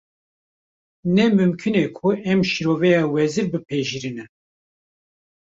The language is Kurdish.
Ne mimkûn e ku em şîroveya wezîr bipejirînin